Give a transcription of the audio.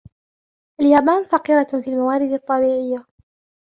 اليابان فقيرة في الموارد الطبيعية.